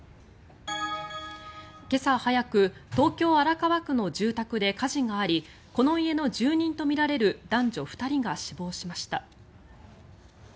今朝早く東京・荒川区の住宅で火事がありこの家の住人とみられる男女２人が死亡しました。